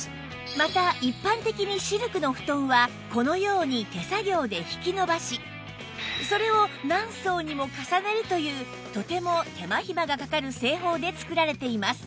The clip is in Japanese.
また一般的にシルクの布団はこのように手作業で引き伸ばしそれを何層にも重ねるというとても手間暇がかかる製法で作られています